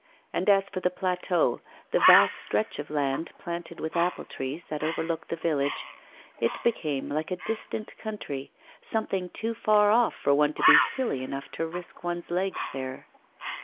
And as for the plateau, the vast stretch of land planted with apple trees that overlooked the village, it became like a distant country, something too far off for one to be silly enough to risk one's legs there.